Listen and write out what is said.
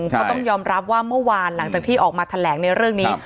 เขาต้องยอมรับว่าเมื่อวานหลังจากที่ออกมาแถลงในเรื่องนี้